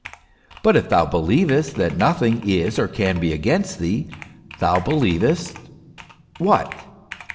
But if thou believest that nothing is or can be against thee, thou be lievest what